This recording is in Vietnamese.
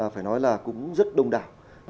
phải nói là cũng rất đông đảo